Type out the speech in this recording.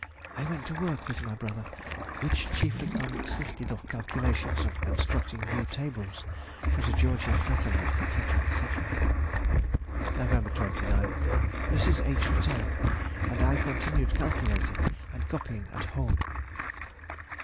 _—I went to work with my brother, which chiefly consisted of calculations and constructing new tables for the Georgian satellites, &c., &c. Nov. 29th. Mrs. H. returned, and I continued calculating and copying at home.